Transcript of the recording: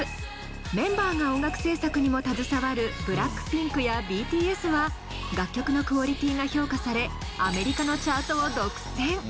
メンバーが音楽制作にも携わるＢＬＡＣＫＰＩＮＫやＢＴＳは楽曲のクオリティーが評価されアメリカのチャートを独占。